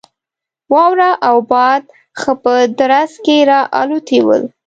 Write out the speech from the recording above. واوره او باد ښه په درز کې را الوتي ول.